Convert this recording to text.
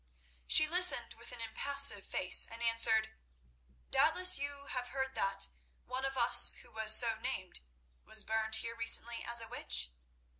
She listened with an impassive face, and answered: "Doubtless you have heard that one of us who was so named was burned here recently as a witch?"